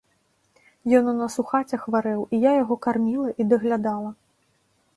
Ён у нас у хаце хварэў, і я яго карміла і даглядала.